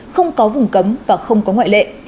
không có vùng cấm và không có ngoại lệ